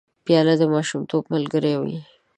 پیاله د ماشومتوب ملګرې وي.